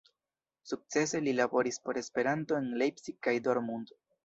Sukcese li laboris por Esperanto en Leipzig kaj Dortmund.